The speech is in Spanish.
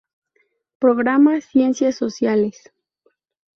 Programa Ciencias Sociales.